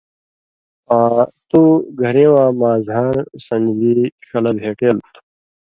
آں تُو گھریں واں مان٘ژھان٘ڑ سن٘دژی ݜلہ بھېٹېلوۡ تُھو“۔